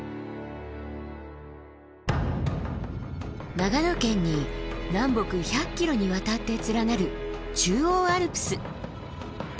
長野県に南北１００ｋｍにわたって連なる中央アルプス。